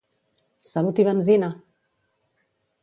Salut i benzina!